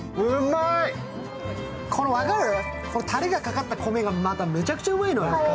分かる、たれがかかった米が、またむちゃくちゃうまいのよ。